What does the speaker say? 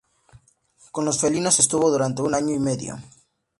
Con los felinos estuvo durante un año y medio.